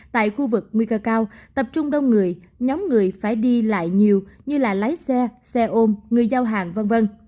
tại khu vực nguy cơ cao tập trung đông người nhóm người phải đi lại nhiều như lái xe xe ôm người giao hàng v v